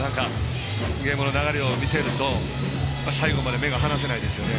ゲームの流れを見ていると、最後まで目が離せないですよね